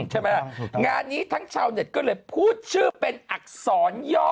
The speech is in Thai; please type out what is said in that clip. ใช่ไหมงานนี้ทั้งชาวเน็ตก็เลยพูดชื่อเป็นอักษรย่อ